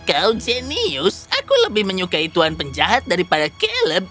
kau jenius aku lebih menyukai tuan penjahat daripada caleb